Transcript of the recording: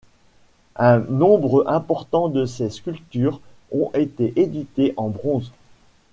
Un nombre important de ses sculptures ont été éditées en bronze.